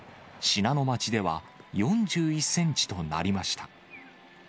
信濃町では４１センチとなりました。